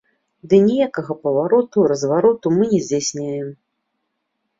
Ды ніякага павароту, развароту мы не здзяйсняем.